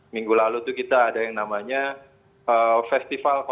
minggu lalu itu kita ada yang namanya festival